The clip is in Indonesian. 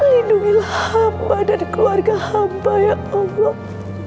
lindungilah hamba dan keluarga hamba ya allah